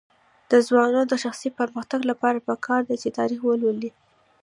د ځوانانو د شخصي پرمختګ لپاره پکار ده چې تاریخ ولولي.